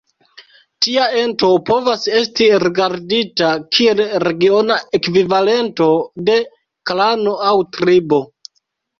Tia ento povas estis rigardita kiel regiona ekvivalento de klano aŭ tribo.